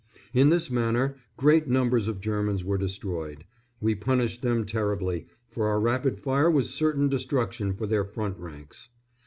In this manner great numbers of Germans were destroyed; we punished them terribly, for our rapid fire was certain destruction for their front ranks.